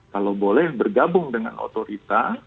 kalau boleh bergabung dengan otorita